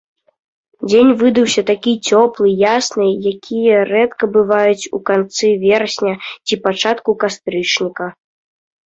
Дзень выдаўся такі цёплы, ясны, якія рэдка бываюць у канцы верасня ці пачатку кастрычніка.